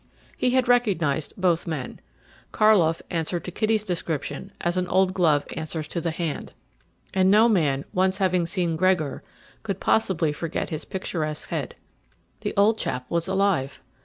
He had recognized both men. Karlov answered to Kitty's description as an old glove answers to the hand. And no man, once having seen Gregor, could possibly forget his picturesque head. The old chap was alive!